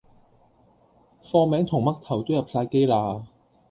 貨名同嘜頭都入哂機啦